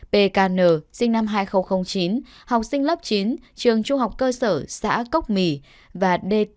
p k n sinh năm hai nghìn chín học sinh lớp chín trường trung học cơ sở thị trấn bát sát